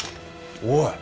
おい！